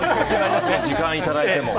時間いただいても。